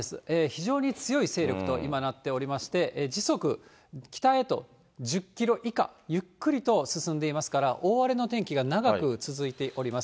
非常に強い勢力と今なっておりまして、時速、北へと１０キロ以下、ゆっくりと進んでいますから、大荒れの天気が長く続いております。